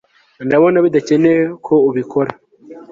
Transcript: ndabona bidakenewe ko ubikora